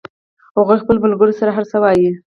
هغوی خپلو ملګرو سره هر څه وایي